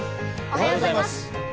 おはようございます。